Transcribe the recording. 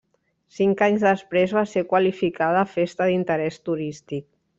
Cinc anys després va ser qualificada festa d'interès turístic.